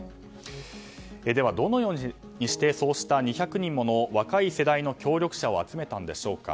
では、どのようにしてそうした２００人もの若い世代の協力者を集めたんでしょうか。